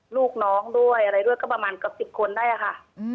ลูกน้องด้วยอะไรด้วยก็ประมาณเกือบ๑๐คนได้ค่ะ